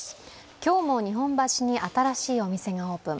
今日も日本橋に新しいお店がオープン。